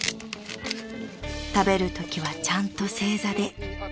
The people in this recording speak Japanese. ［食べるときはちゃんと正座で］